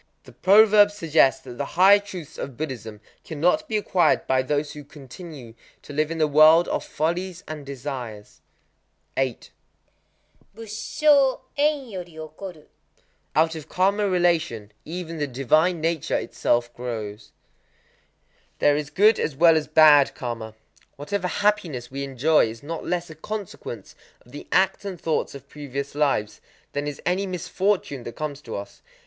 The proverb suggests that the higher truths of Buddhism cannot be acquired by those who continue to live in the world of follies and desires. 8.—Busshō en yori okoru. Out of karma relation even the divine nature itself grows. There is good as well as bad karma. Whatever hap piness we enjoy is not less a consequence of the acts and thoughts of previous lives, than is any misfortune that comes to us.